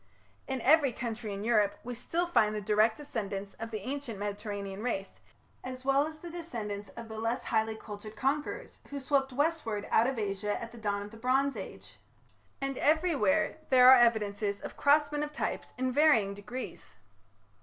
In every country in Europe we still find the direct descendants of the ancient Mediterranean race, as well as the descendants of the less highly cultured conquerors who swept westward out of Asia at the dawn of the Bronze Age; and everywhere there are evidences of crossment of types in varying degrees.